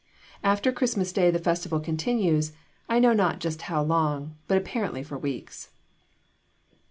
After Christmas day the festival continues I know not just how long, but apparently for weeks.